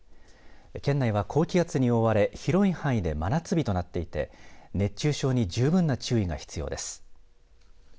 県内は高気圧に覆われ広い範囲で真夏日となっていて熱中症に十分な注意が必要です。